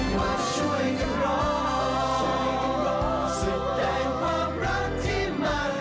มาช่วยกันร้องแสดงความรักที่มาใหม่